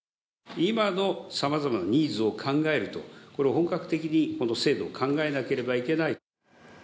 今のさまざまなニーズを考えると、これを本格的に、この制度を考えなければいけない。